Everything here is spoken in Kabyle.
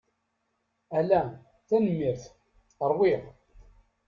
Ala, tenemmirt. Ṛwiɣ.